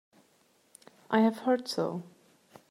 I have heard so.